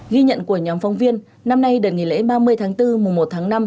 ghi nhận của nhóm phóng viên năm nay đợt nghỉ lễ ba mươi tháng bốn mùa một tháng năm